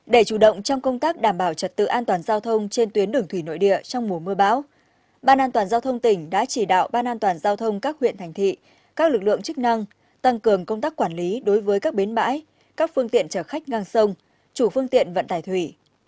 để chủ động trong công tác đảm bảo trật tự an toàn giao thông trên tuyến đường thủy nội địa trong mùa mưa bão ban an toàn giao thông tỉnh đã chỉ đạo ban an toàn giao thông các huyện thành thị các lực lượng chức năng tăng cường công tác quản lý đối với các bến bãi các phương tiện trở khách ngang sông chủ phương tiện vận tải thủy